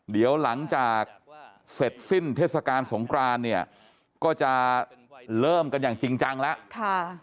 เดี๋ยวหลังจากเสร็จสิ้นเทศกาลสงครานเนี่ยก็จะเริ่มกันอย่างจริงจังแล้ว